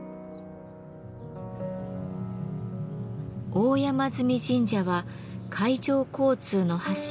大山神社は海上交通の覇者